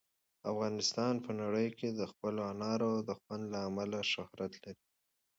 افغانستان په نړۍ کې د خپلو انارو د خوند له امله شهرت لري.